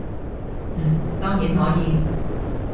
嗯，當然可以